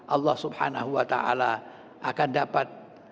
allah ta'ala akan dapat